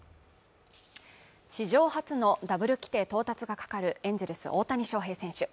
史上初のダブル規定到達がかかるエンゼルス大谷翔平選手